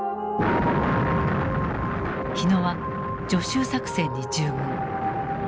火野は徐州作戦に従軍。